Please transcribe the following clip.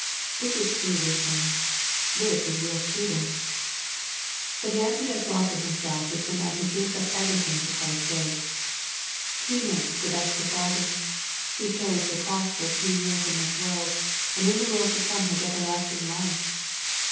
This is true wisdom. This is real prudence. 86 EXPOSITORY IIIOUGUTS. The man who does well for himself is the man who giv«i up everything for Christ's sake. He makes the best of bargains. He carries the cross for a few years in this world, and in the world to come has everlasting life.